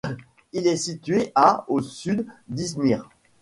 Il est situé à au sud d'Izmir.